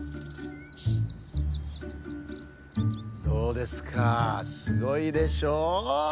どうですかすごいでしょう？